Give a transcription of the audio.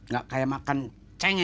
gak kayak makan cengek